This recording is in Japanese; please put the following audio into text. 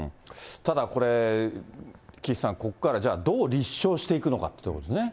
ただ、これ、岸さん、じゃあここからどう立証していくのかということですね。